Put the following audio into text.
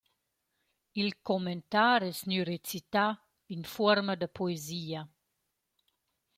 Il comentar es gnü recità in fuorma da poesia.